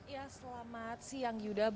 ya selamat siang yuda